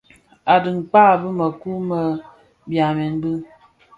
A dhikpaa, bi mëku më byamèn bi.